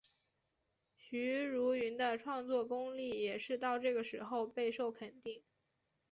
许茹芸的创作功力也是到这个时候备受肯定。